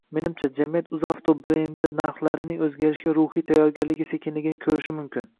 Menimcha, jamiyat Uzavto brendlari narxlarining o'zgarishiga ruhiy tayyorligi sekinligini ko'rishi mumkin